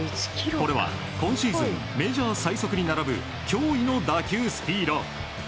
これは今シーズンメジャー最速に並ぶ驚異の打球スピード。